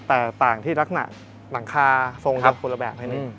แต่ต่างที่ลักหน่าหนังคาทรงจากคนละแบบ